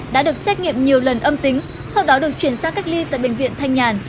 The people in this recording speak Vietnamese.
đã được xét nghiệm nhiều lần âm tính sau đó được chuyển sang cách ly tại bệnh viện thanh nhàn